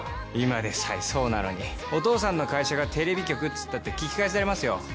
今でさえそうなのにお父さんの会社がテレビ局って言ったって聞き返されますよ。